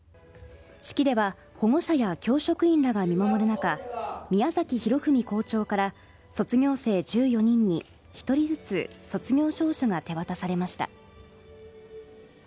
式では、保護者や教職員らが見守る中、宮崎洋文校長から、卒業生１４人に、一人ずつ卒業証書が手渡されました。